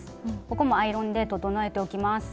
ここもアイロンで整えておきます。